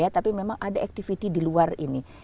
tapi memang ada activity di luar ini